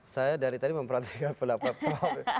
saya dari tadi memperhatikan pendapat prof